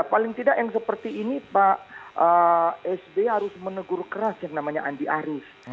paling tidak yang seperti ini pak sby harus menegur keras yang namanya andi arief